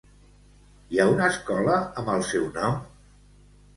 Hi ha una escola amb el seu nom?